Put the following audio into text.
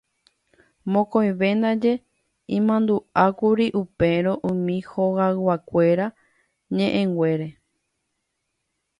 Mokõive ndaje imandu'ákuri upérõ umi hogaykeregua ñe'ẽnguére.